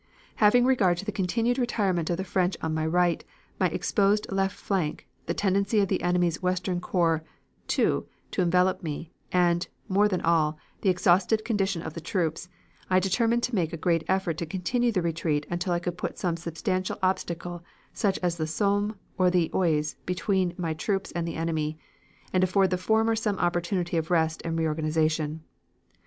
"Having regard to the continued retirement of the French on my right, my exposed left flank, the tendency of the enemy's western corps (II) to envelop me, and, more than all, the exhausted condition of the troops, I determined to make a great effort to continue the retreat until I could put some substantial obstacle, such as the Somme or the Oise, between my troops and the enemy, and afford the former some opportunity of rest and reorganization.